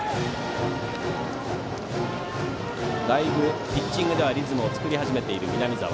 だいぶピッチングではリズムを作り始めている南澤。